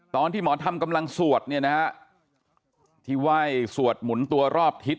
ตอนที่หมอธรรมกำลังสวดที่ไหว้สวดหมุนตัวรอบทิศ